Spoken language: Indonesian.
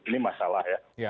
ini masalah ya